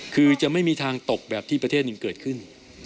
คือจะไม่มีทางตกแบบที่ประเทศหนึ่งเกิดขึ้น